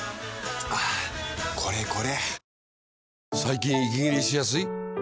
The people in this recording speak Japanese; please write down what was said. はぁこれこれ！